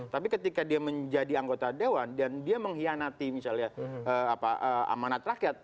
tapi ketika dia menjadi anggota dewan dan dia mengkhianati misalnya amanat rakyat